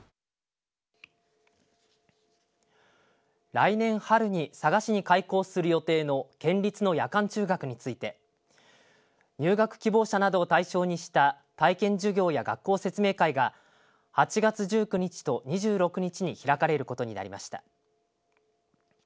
来年春に佐賀市に開校する予定の県立の夜間中学について入学希望者などを対象にした体験授業や学校説明会が８月１９日と２６日に開かれることになりました。